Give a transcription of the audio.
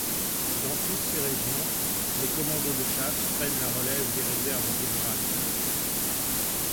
Dans toutes ces régions, les commandos de chasse prennent la relève des réserves générales.